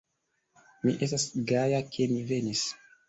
Mi estas gaja ke mi venis.